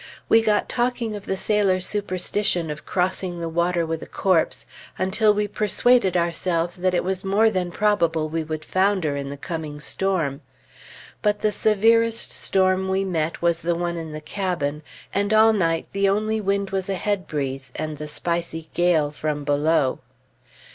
We got talking of the sailor's superstition of crossing the water with a corpse, until we persuaded ourselves that it was more than probable we would founder in the coming storm. But the severest storm we met was the one in the cabin; and all night the only wind was a head breeze, and the spicy gale from below.